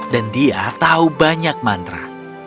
dan dia tahu banyak mantra